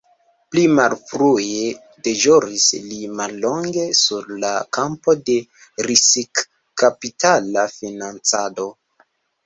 Pli malfrue deĵoris li mallonge sur la kampo de risikkapitala financado.